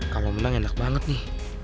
kalau menang enak banget nih